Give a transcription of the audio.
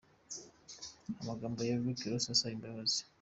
Amagambo ya Rick Ross asaba imbabazi.